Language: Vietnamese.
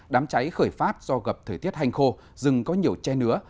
đám cháy khởi phát do gặp thời tiết hành khô rừng có nhiều che nứa